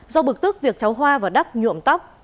tức tức việc cháu hoa và đắc nhuộm tóc